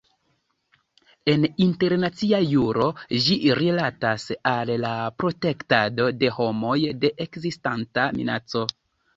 En internacia juro ĝi rilatas al la "protektado de homoj de ekzistanta minaco".